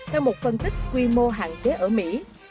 theo một phân tích quy mô hạn chế ở mỹ